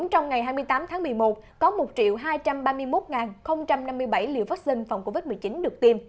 trong ngày hai mươi tám tháng một mươi một có một hai trăm ba mươi một năm mươi bảy liều vaccine phòng covid một mươi chín được tiêm